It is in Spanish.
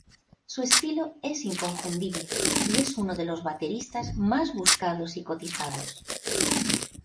Su estilo es inconfundible y es uno de los bateristas más buscados y cotizados.